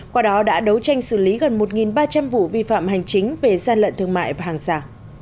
qua đó đã đấu tranh xử lý gần một ba trăm linh vụ vi phạm hành chính về gian lận thương mại và hàng giả